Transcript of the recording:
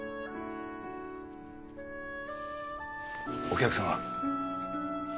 お客様。